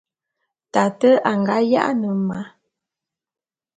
Tate a nga ya'ane ma.